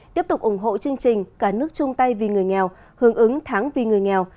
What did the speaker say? tiếp tục ủng hộ chương trình cả nước chung tay vì người nghèo hướng ứng tháng vì người nghèo